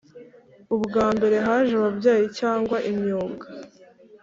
ubwa mbere haje ababyeyi cyangwa imyuga.